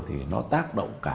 thì nó tác động cả